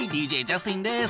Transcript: ＤＪジャスティンです。